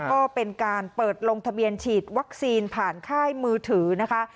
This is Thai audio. ก็เป็นการเปิดลงทะเบียนฉีดวัคซีนผ่านค่ายมือถือนะคะ